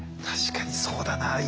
確かにそうだな。